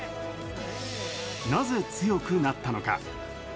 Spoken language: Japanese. なぜ強くなったのか。